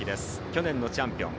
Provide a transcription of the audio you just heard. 去年のチャンピオン。